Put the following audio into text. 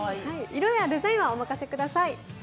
色やデザインはお任せください。